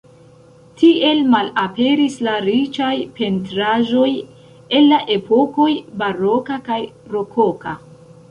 Tiel malaperis la riĉaj pentraĵoj el la epokoj baroka kaj rokoka.